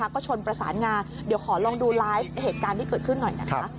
ก็ชนประสานงาเดี๋ยวขอลองดูไลฟ์เหตุการณ์ที่เกิดขึ้นหน่อยนะคะ